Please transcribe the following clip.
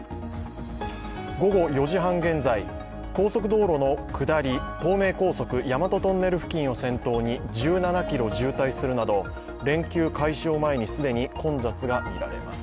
午後４時半現在、高速道路の下り、東名高速、大和トンネル付近を先頭に１７ｋｍ渋滞するなど連休開始を前に既に混雑が見られます。